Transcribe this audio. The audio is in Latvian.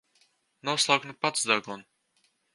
Noslauki nu pats degunu!